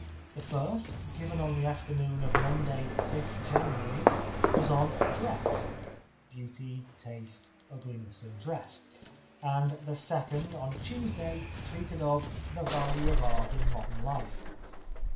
The first, given on the afternoon of Monday, 5th January, was on "Dress" (Beauty — Taste — Ugliness in Dress); and the second, on Tuesday, treated of "The Value of Art in Modern Life."